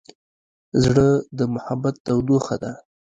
زړه د محبت تودوخه ده.